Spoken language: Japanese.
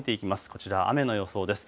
こちら、雨の予想です。